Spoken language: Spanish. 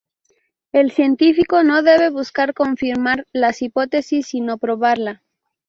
El científico no debe buscar confirmar las hipótesis sino probarla.